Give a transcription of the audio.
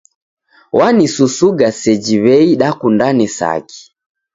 Wanisusuga seji w'ei dakundane saki!